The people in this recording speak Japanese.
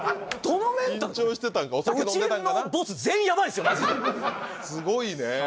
すごいね。